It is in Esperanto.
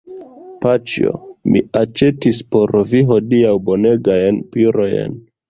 Paĉjo, mi aĉetis por vi hodiaŭ bonegajn pirojn.